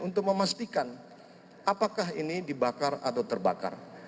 untuk memastikan apakah ini dibakar atau terbakar